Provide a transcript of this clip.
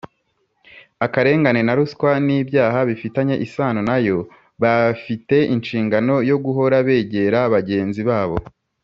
akarengane na ruswa n ibyaha bifitanye isano na yo Bafite inshingano yo guhora begera bagenzi babo